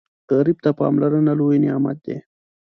غریب ته پاملرنه لوی نعمت وي